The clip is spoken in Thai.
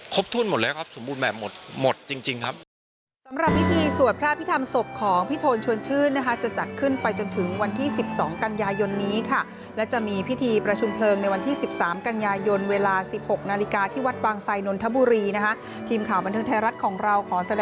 ครบทุ่มหมดแล้วครับสมมุติแบบมดจริงครับ